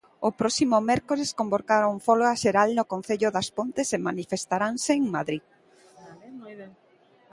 O próximo mércores convocaron folga xeral no concello das Pontes e manifestaranse en Madrid.